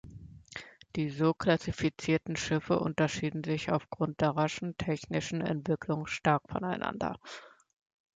Die so klassifizierten Schiffe unterschieden sich auf Grund der raschen technischen Entwicklung stark voneinander.